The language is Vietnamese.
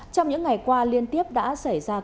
trong những ngày qua liên tiếp đã xảy ra các bệnh